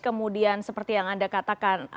kemudian seperti yang anda katakan